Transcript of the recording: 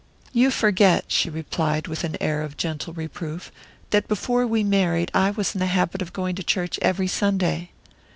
"You forget," she replied, with an air of gentle reproof, "that before we married I was in the habit of going to church every Sunday."